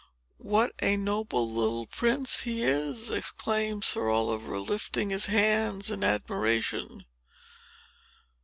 "What a noble little prince he is!" exclaimed Sir Oliver, lifting his hands in admiration.